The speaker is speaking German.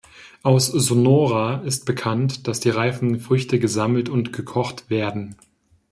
Aus Sonora ist bekannt, dass die reifen Früchte gesammelt und gekocht werden.